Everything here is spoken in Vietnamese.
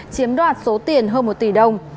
chiếm đoạt số tiền hơn một tỷ đồng